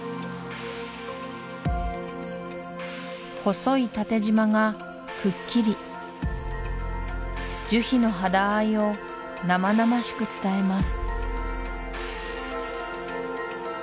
細い縦じまがくっきり樹皮の肌合いを生々しく伝えます